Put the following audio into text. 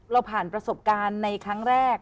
เราผ่านประสบการณ์ในครั้งแรก